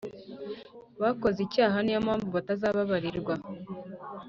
bakoze icyaha niyo mpamvu batazababarirwa